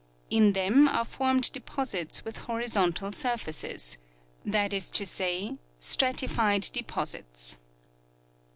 In them are formed deposits with horizontal surfaces — that is to say, stratified deposits.